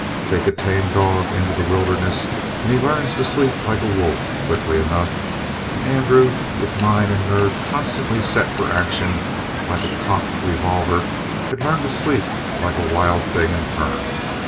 Take a tame dog into the wilderness and he learns to sleep like a wolf quickly enough; and Andrew, with mind and nerve constantly set for action like a cocked revolver, had learned to sleep like a wild thing in turn.